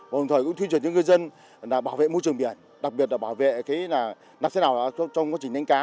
hồng thời cũng tuyên truyền cho ngư dân bảo vệ môi trường biển đặc biệt là bảo vệ nạp xe nào trong quá trình đánh cá